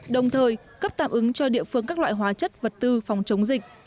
đồng thời cấp tạm ứng cho địa phương các loại hóa chất vật tư phòng chống dịch